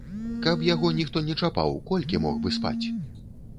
Каб яго ніхто не чапаў, колькі мог бы спаць?